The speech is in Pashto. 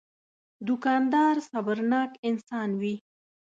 دوکاندار صبرناک انسان وي.